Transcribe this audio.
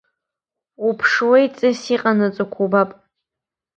Уԥшлеи, Ҵис иҟанаҵақәо убап.